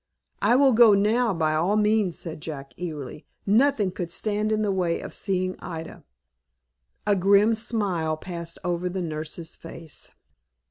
"I will go now by all means," said Jack, eagerly. "Nothing should stand in the way of seeing Ida." A grim smile passed over the nurse's face.